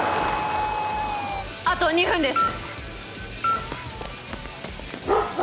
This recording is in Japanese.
あと２分です！